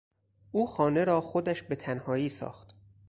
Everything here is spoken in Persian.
او خانه را خودش به تنهایی ساخت.